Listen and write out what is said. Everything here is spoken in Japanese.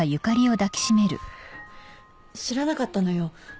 知らなかったのよ。